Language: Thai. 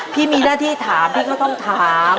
พี่มีหน้าที่ถามพี่ก็ต้องถาม